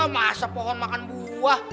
masa pohon makan buah